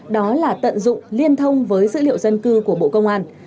đó là tận dụng liên thông với dữ liệu dân cư của bộ công an